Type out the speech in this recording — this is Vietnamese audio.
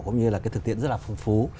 cũng như là cái thực tiễn rất là phong phú